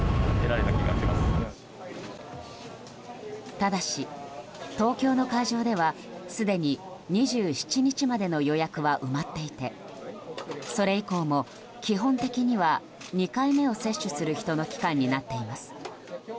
ただし、東京の会場ではすでに２７日までの予約は埋まっていてそれ以降も基本的には２回目を接種する人の期間になっています。